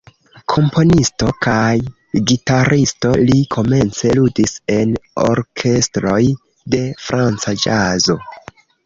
Komponisto kaj gitaristo, li komence ludis en orkestroj de franca ĵazo.